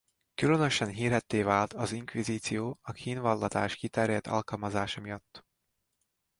Különösen hírhedtté vált az inkvizíció a kínvallatás kiterjedt alkalmazása miatt.